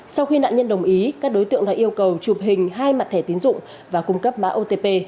sau khi nạn nhân đồng ý các đối tượng đã yêu cầu chụp hình hai mặt thẻ tiến dụng và cung cấp mã otp